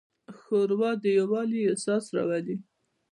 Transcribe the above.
ښوروا د یووالي احساس راولي.